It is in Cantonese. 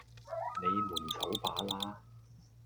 你們走吧啦!